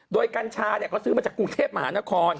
โดยกัญชาเขาซื้อมาจากกรุงเทพมหานคร